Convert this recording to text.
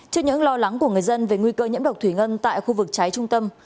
trước những lo lắng của người dân về nguy cơ nhiễm độc thủy ngân tại khu vực cháy trung tâm